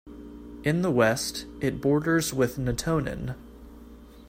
In the west, it borders with Natonin.